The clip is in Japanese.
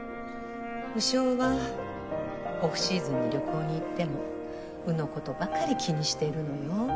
鵜匠はオフシーズンに旅行に行っても鵜のことばかり気にしてるのよ